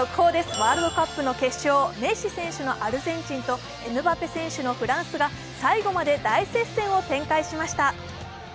ワールドカップの決勝、メッシ選手のアルゼンチンとエムバペ選手のフランスが最後まで大接戦を展開しました。